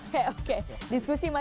sekalipun ada jeda pariwisata